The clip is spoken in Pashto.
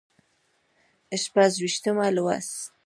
شپږ ویشتم لوست